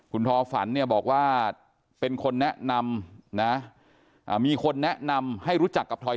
คุณทอฝันเนี่ยบอกว่าเป็นคนแนะนำนะมีคนแนะนำให้รู้จักกับทอย